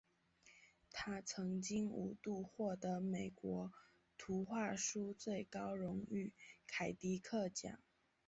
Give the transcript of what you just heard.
他曾经五度获得美国图画书最高荣誉凯迪克奖。